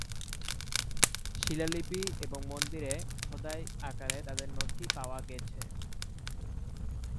শিলালিপি এবং মন্দিরে খোদাই আকারে তাদের নথি পাওয়া গেছে।